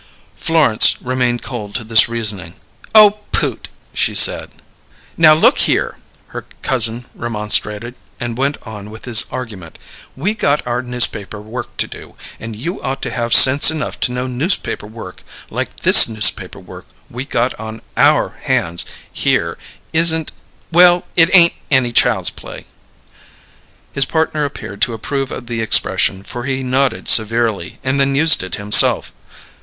Florence remained cold to this reasoning. "Oh, Poot!" she said. "Now, look here!" her cousin remonstrated, and went on with his argument. "We got our newspaper work to do, and you ought to have sense enough to know newspaper work like this newspaper work we got on our hands here isn't well, it ain't any child's play." His partner appeared to approve of the expression, for he nodded severely and then used it himself.